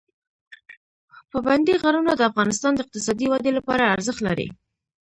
پابندی غرونه د افغانستان د اقتصادي ودې لپاره ارزښت لري.